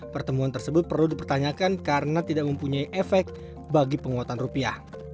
pertemuan tersebut perlu dipertanyakan karena tidak mempunyai efek bagi penguatan rupiah